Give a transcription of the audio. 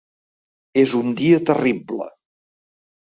És un dia terrible.